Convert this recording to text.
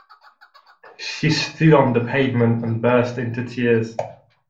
She stood on the pavement and burst into tears.